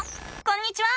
こんにちは！